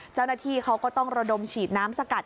เจ้าหน้าที่เขาก็ต้องระดมฉีดน้ำสกัด